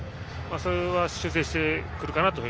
そこは修正してくるかなと。